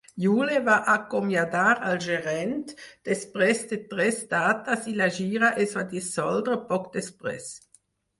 Yule va acomiadar al gerent després de tres dates i la gira es va dissoldre poc després.